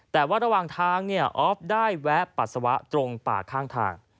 แต่ว่าระหว่างทางเนี่ยออฟได้แวะปัสสาวะตรงป่าข้างทาง